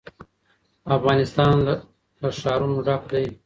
افغانستان له ښارونه ډک دی.